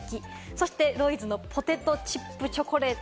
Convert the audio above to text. そしてロイズのポテトチップチョコレート。